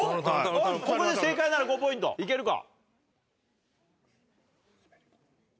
ここで正解なら５ポイントいけるか？